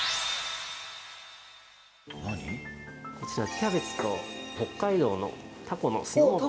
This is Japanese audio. こちらキャベツと北海道のタコの酢の物ですね。